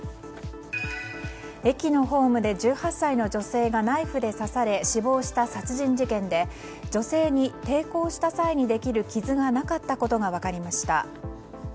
駅のホームで１８歳の女性がナイフで刺され死亡した殺人事件で女性に抵抗した際にできる傷がなかったことが分かりました。